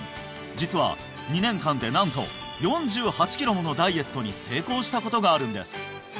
実は２年間でなんと４８キロものダイエットに成功したことがあるんです